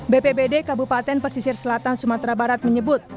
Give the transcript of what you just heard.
bpbd kabupaten pesisir selatan sumatera barat menyebut